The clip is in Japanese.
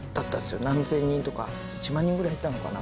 何千人とか１万人ぐらいいたのかな？